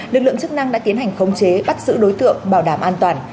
lực lượng chức năng đã tiến hành khống chế bắt giữ đối tượng bảo đảm an toàn